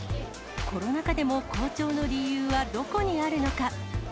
コロナ禍でも好調の理由はどこにあるのか。